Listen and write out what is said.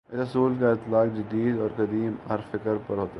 اس اصول کا اطلاق جدید اور قدیم، ہر فکرپر ہوتا ہے۔